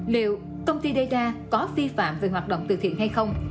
liệu công ty dayda có vi phạm về hoạt động từ thiện hay không